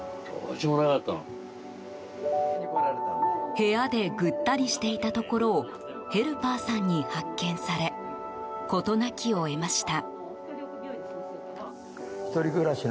部屋でぐったりしていたところをヘルパーさんに発見され事なきを得ました。